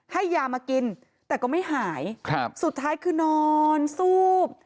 ให้ยามากินแต่ก็ไม่หายครับสุดท้ายคือนอนซูบ